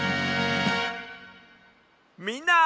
みんな！